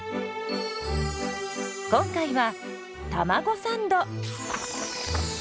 今回はたまごサンド。